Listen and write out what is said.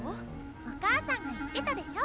お母さんが言ってたでしょ？